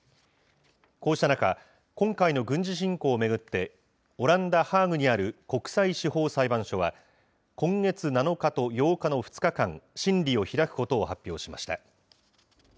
こうした中、今回の軍事侵攻を巡ってオランダ・ハーグにある国際司法裁判所は、今月７日と８日の２日間、審理を開くことを発表しました。